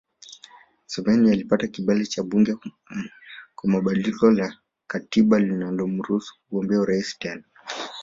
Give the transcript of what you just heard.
Museveni alipata kibali cha bunge kwa badiliko la katiba lililomruhusu kugombea urais tena